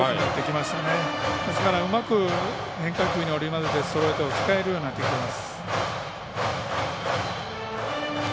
ですから、うまく変化球を織り交ぜてストレートを使えるようになってきています。